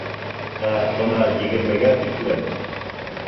Ә бына егермегә тиклем...